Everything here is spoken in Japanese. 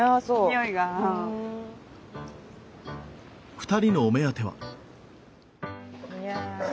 ２人のお目当ては。